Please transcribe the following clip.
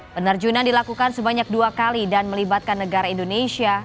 penerjunan dilakukan sebanyak dua kali dan melibatkan negara indonesia